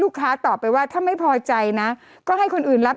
ตอบไปว่าถ้าไม่พอใจนะก็ให้คนอื่นรับ